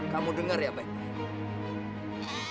kamu dengar ya baik baik